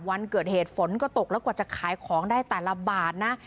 วันเกิดเหตุฝนก็ตกแล้วกว่าจะขายของได้แต่ละบาทนะ